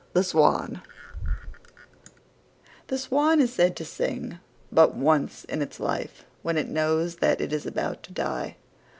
THE SWAN The Swan is said to sing but once in its life when it knows that it is about to die.